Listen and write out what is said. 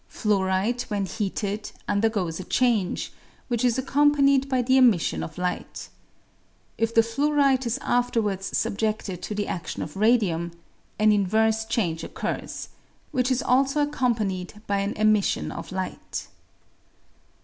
Fluorite when heated undergoes a change, which is accompanied by the emission of light. If the fluorite is afterwards subjeded to the adion ot radium, an inverse change occurs, which is also accompanied by an emission of light.